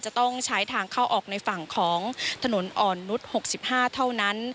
จะต้องใช้ทางเข้าออกในฝั่งของถนนอ่อนนุษย์๖๕เท่านั้น